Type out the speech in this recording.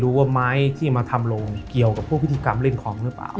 ว่าไม้ที่มาทำลงเกี่ยวกับพวกพิธีกรรมเล่นของหรือเปล่า